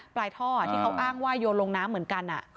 ปลายท่อที่เขาอ้างว่าโยนลงน้ำเหมือนกัน